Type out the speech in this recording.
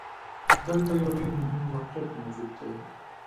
دلته يو ډېر مهم واقعيت موجود دی.